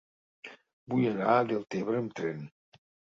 Vull anar a Deltebre amb tren.